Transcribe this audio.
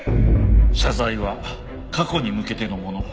謝罪は過去に向けてのもの。